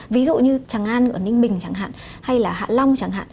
ví dụ như tràng an ở ninh bình chẳng hạn hay là hạ long chẳng hạn